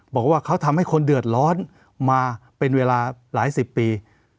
บอกว่าเขาทำให้คนเดือดร้อนมาเป็นเวลาหลายสิบปี